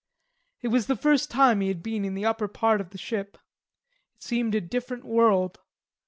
It was the first time he had been in the upper part of the ship. It seemed a different world.